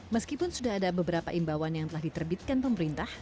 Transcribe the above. meskipun sudah ada beberapa imbauan yang telah diterbitkan pemerintah